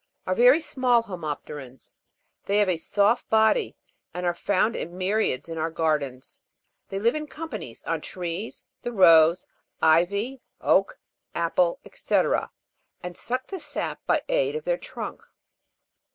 38) are very small homop'terans ; they have a soft body, and are found in myriads in our gardens; they live in companies on trees, the rose, ivy, oak, apple, &c,, arid suck the sap by aid of their trunk.